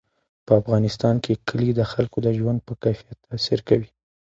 په افغانستان کې کلي د خلکو د ژوند په کیفیت تاثیر کوي.